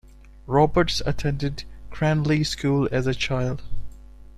Roberts attended Cranleigh School as a child.